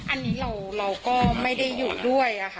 อันนี้เราก็ไม่ได้อยู่ด้วยค่ะ